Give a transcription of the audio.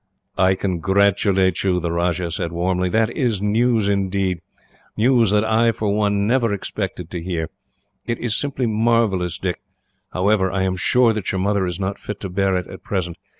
"I congratulate you," the Rajah said warmly. "That is news, indeed news that I, for one, never expected to hear. It is simply marvellous, Dick. However, I am sure that your mother is not fit to bear it, at present.